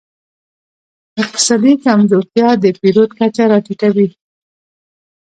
اقتصادي کمزورتیا د پیرود کچه راټیټوي.